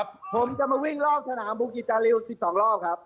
ผมจะมาวิ่งรอบสนามบุกิจจาริว๑๒รอบครับ